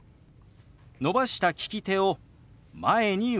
伸ばした利き手を前に動かします。